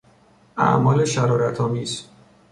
اعمال شرارتآمیز